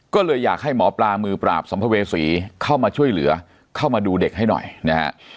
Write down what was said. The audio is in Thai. ก็เลยอยากให้หมอปลามือปราบสัมภเวษีเข้ามาช่วยเหลือเข้ามาดูเด็กให้หน่อยนะฮะ